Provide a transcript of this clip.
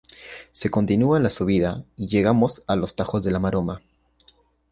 Se continúa la subida y llegamos a los Tajos de la Maroma.